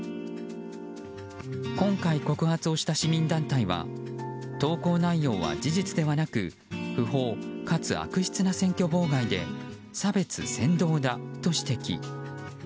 今回、告発をした市民団体は投稿内容は事実ではなく不法かつ悪質な選挙妨害で差別扇動だと指摘。